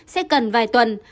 sẽ cần vài tuần